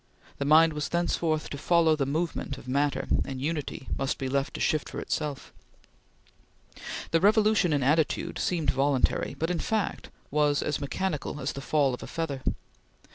The mind was thenceforth to follow the movement of matter, and unity must be left to shift for itself. The revolution in attitude seemed voluntary, but in fact was as mechanical as the fall of a feather.